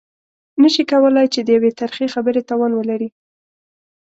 نه شي کولای چې د يوې ترخې خبرې توان ولري.